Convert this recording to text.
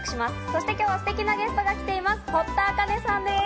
そして今日はすてきなゲストが来ています。